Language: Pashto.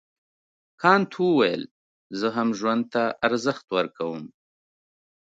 کانت وویل زه هم ژوند ته ارزښت ورکوم.